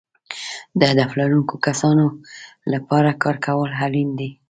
د هدف لرونکو کسانو لپاره کار کول اړین دي.